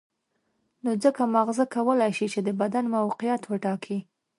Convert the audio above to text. نو ځکه ماغزه کولای شي چې د بدن موقعیت وټاکي.